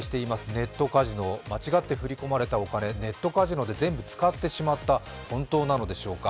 ネットカジノ、間違って振り込まれたお金、ネットカジノで全部使ってしまった本当なのでしょうか。